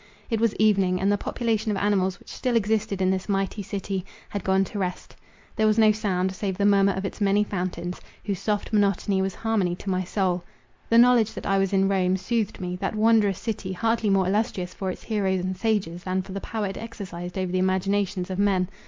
It was evening; and the population of animals which still existed in this mighty city, had gone to rest; there was no sound, save the murmur of its many fountains, whose soft monotony was harmony to my soul. The knowledge that I was in Rome, soothed me; that wondrous city, hardly more illustrious for its heroes and sages, than for the power it exercised over the imaginations of men.